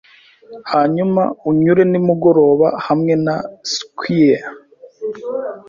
hanyuma unyure nimugoroba hamwe na squire.